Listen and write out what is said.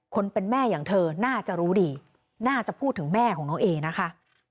คนเป็นแม่อย่างเธอน่าจะรู้ดีน่าจะพูดถึงแม่ของน้องเอนะคะ